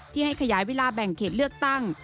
ให้ขยายเวลาแบ่งเขตเลือกตั้ง